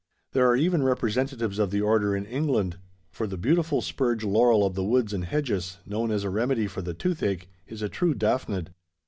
There are even representatives of the order in England: for the beautiful `spurge laurel' of the woods and hedges known as a remedy for the toothache is a true daphnad.